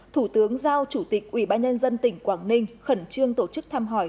thủ tướng giao chủ tịch ủy ban nhân dân tỉnh quảng ninh khẩn trương tổ chức thăm hỏi